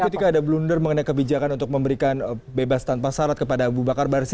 jadi ketika ada blunder mengenai kebijakan untuk memberikan bebas tanpa syarat kepada abu bakar barsi